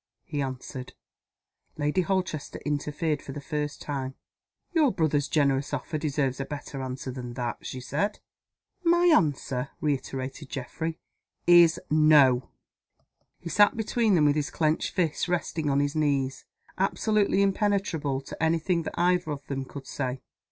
he answered. Lady Holchester interfered for the first time. "Your brother's generous offer deserves a better answer than that," she said. "My answer," reiterated Geoffrey, "is No!" He sat between them with his clenched fists resting on his knees absolutely impenetrable to any thing that either of them could say.